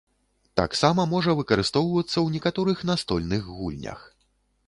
Таксама можа выкарыстоўвацца ў некаторых настольных гульнях.